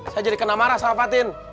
saya jadi kena marah sama fatin